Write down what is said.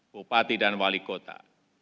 bupati dan wali kota